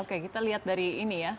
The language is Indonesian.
oke kita lihat dari ini ya